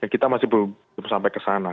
kita masih belum sampai ke sana